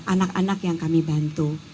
anak anak yang kami bantu